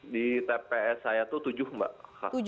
di tps saya itu tujuh mbak